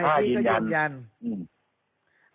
เพราะว่าตอนแรกมีการพูดถึงนิติกรคือฝ่ายกฎหมาย